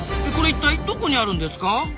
これ一体どこにあるんですか？